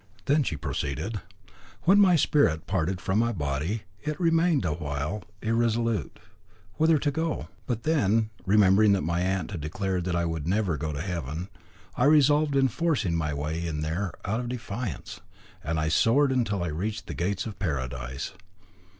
Then she proceeded "When my spirit parted from my body, it remained a while irresolute whither to go. But then, remembering that my aunt had declared that I never would go to Heaven, I resolved on forcing my way in there out of defiance; and I soared till I reached the gates of Paradise.